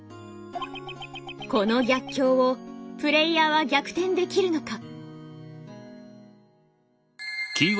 この逆境をプレイヤーは逆転できるのか？